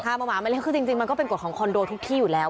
เอามาหมามาเล่นคือจริงมันก็เป็นกฎของคอนโดทุกที่อยู่แล้ว